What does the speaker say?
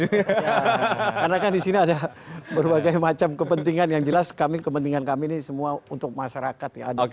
karena kan di sini ada berbagai macam kepentingan yang jelas kami kepentingan kami ini semua untuk masyarakat